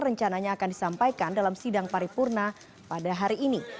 rencananya akan disampaikan dalam sidang paripurna pada hari ini